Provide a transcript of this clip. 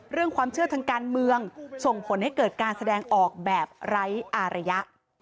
เรื่องความเชื่อทางการเมืองส่งผลให้เกิดการแสดงออกแบบไร้อารยะ